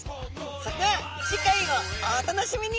それでは次回をお楽しみに！